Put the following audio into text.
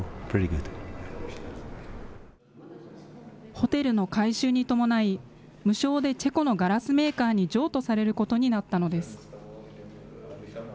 ホテルの改修に伴い、無償でチェコのガラスメーカーに譲渡されることになったのです。